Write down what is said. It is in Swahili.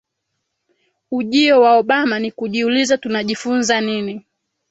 ujio wa Obama ni kujiuliza Tunajifunza nini